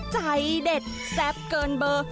ใจเด็ดแซ่บเกินเบอร์